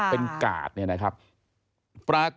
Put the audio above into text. ไม่รู้ว่าใครชกต่อยกันอยู่แล้วอะนะคะ